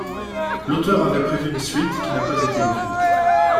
L'auteur avait prévu une suite qui n'a pas été écrite.